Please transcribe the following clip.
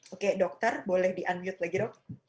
oke dokter boleh di unmute lagi dok